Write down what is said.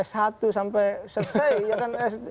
s satu sampai s tiga